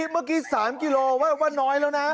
เมื่อกี้๓กิโลว่าน้อยแล้วนะ